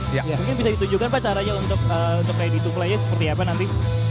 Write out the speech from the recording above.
mungkin bisa ditunjukkan pak caranya untuk ready to play nya seperti apa nanti